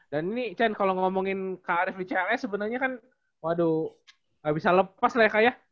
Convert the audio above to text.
dan ini chen kalau ngomongin krf di cls sebenernya kan waduh gak bisa lepas lah ya kak ya